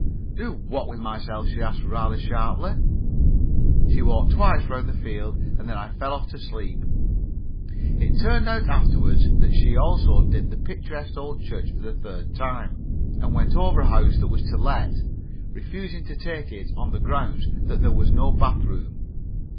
"Do what with myself?" she asked, rather sharply. She walked twice round the field, and then I fell off to sleep. It turned out afterward that she also did the picturesque old church for the third time, and went over a house which was to let, refusing to take it on the ground that there was no bath room.